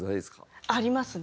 ありますね。